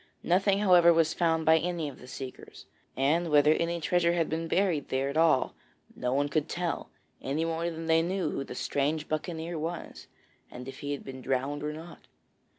Nothing, however, was found by any of the seekers; and whether any treasure had been buried there at all, no one could tell, any more than they knew who the strange buccaneer was, and if he had been drowned or not.